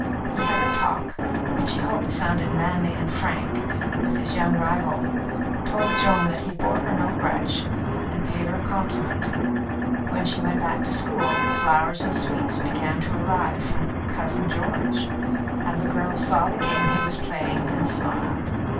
He had a talk, which he hoped sounded manly and frank, with his young rival, told Joan that he bore her no grudge, and paid her a compliment. When she went back to school, flowers and sweets began to arrive from "Cousin George"; and the girl saw the game he was playing and smiled.